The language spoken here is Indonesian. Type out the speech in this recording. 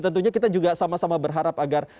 tentunya kita juga sama sama berharap agar